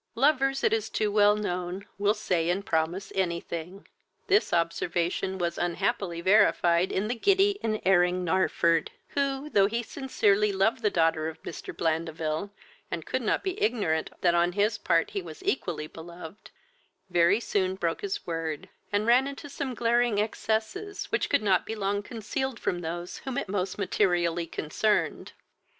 Lovers, it is too well known, will say and promise any thing. This observation was unhappily verified in the giddy and erring Narford, who, though he sincerely loved the daughter of Mr. Blandeville, and could not be ignorant that on his part he was equally beloved, very soon broke his word, and ran into some glaring excesses, which could not be long concealed from those whom it most materially concerned.